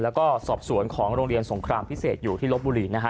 แล้วก็สอบสวนของโรงเรียนสงครามพิเศษอยู่ที่ลบบุรีนะฮะ